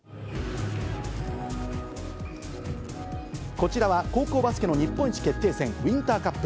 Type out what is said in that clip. こちらは高校バスケの日本一決定戦、ウインターカップ。